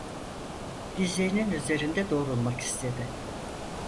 Dizlerinin üzerinde doğrulmak istedi.